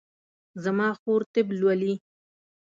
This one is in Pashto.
زما خور طب لولي